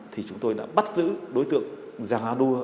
thì chúng tôi đã bắt giữ đối tượng giang anua